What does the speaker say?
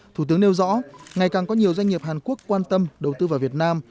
thủ tướng nêu rõ ngày càng có nhiều doanh nghiệp hàn quốc quan tâm đầu tư vào việt nam